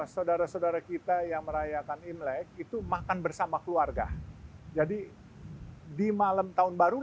saudara saudara kita yang merayakan imlek itu makan bersama keluarga jadi di malam tahun baru